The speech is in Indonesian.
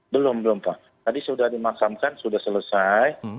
belum belum pak tadi sudah dimakamkan sudah selesai